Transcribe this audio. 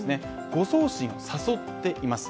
誤送信を誘っています。